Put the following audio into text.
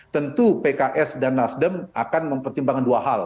tentu pks dan nasdem akan mempertimbangkan dua hal